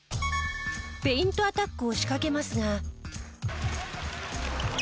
ペイントアタックを仕掛けますが。